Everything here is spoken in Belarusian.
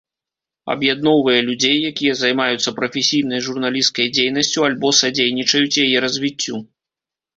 Аб'ядноўвае людзей, якія займаюцца прафесійнай журналісцкай дзейнасцю альбо садзейнічаюць яе развіццю.